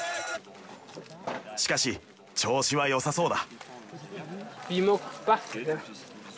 しかし調子は良さそうだ。